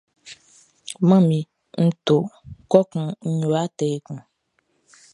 Manmi, nʼto kɔkun nʼyo atɛ ekun.